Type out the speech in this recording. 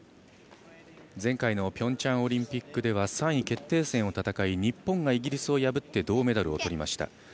前回のピョンチャンオリンピックでは３位決定戦を戦い日本がイギリスを破って銅メダルをとりました。